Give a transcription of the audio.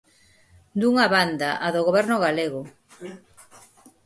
Dunha banda, a do goberno galego.